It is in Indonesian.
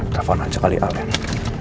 telepon aja kali al ya